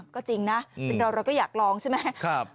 ก็จริงนะเราก็อยากลองใช่ไหม